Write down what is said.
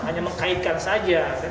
hanya mengkaitkan saja